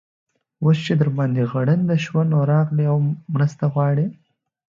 اوس چې در باندې غرنده شوه؛ نو، راغلې او مرسته غواړې.